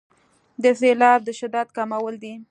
د سیلاب د شدت کمول دي.